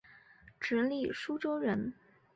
直隶苏州人。